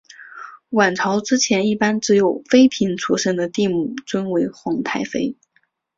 阮朝之前一般只有妃嫔出身的帝母尊为皇太妃。